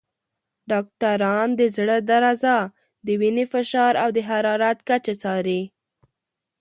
ډاکټران د زړه درزا، د وینې فشار، او د حرارت کچه څاري.